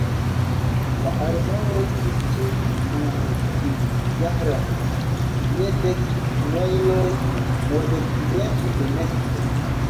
La armeo restis ĉe Marr-uz-Zahran, je dek mejloj nordokcidente de Mekko.